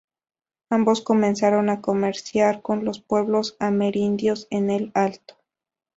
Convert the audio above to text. Ambos comenzaron a comerciar con los pueblos Amerindios en el alto.